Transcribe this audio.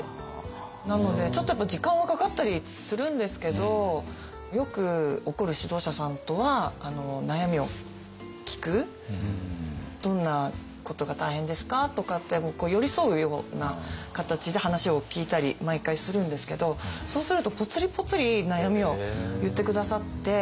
なのでちょっとやっぱり時間はかかったりするんですけどよく「どんなことが大変ですか？」とかって寄り添うような形で話を聞いたり毎回するんですけどそうするとポツリポツリ悩みを言って下さって。